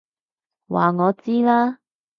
話我知啦！